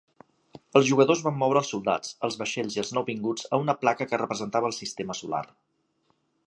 Els jugadors van moure els soldats, els vaixells i els nouvinguts a una placa de representava el sistema solar.